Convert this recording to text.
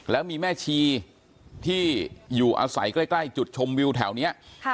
แล้วมีแม่ชีที่อยู่อาศัยใกล้จุดชมวิวแถวนี้